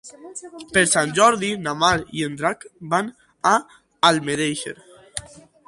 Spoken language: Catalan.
Per Sant Jordi na Mar i en Drac van a Almedíxer.